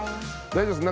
大丈夫です？